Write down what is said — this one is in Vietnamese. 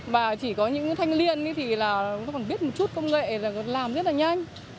và chỉ có những thanh liên thì là phải biết một chút công nghệ là làm rất là nhanh